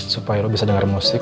supaya lo bisa dengar musik